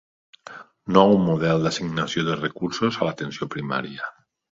Nou model d'assignació de recursos a l'atenció primària.